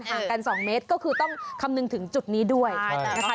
ห่างกัน๒เมตรก็คือต้องคำนึงถึงจุดนี้ด้วยนะคะ